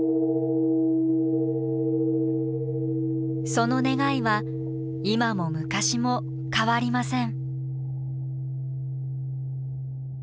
その願いは今も昔も変わりません。